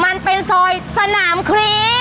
มันเป็นซอยสนามครี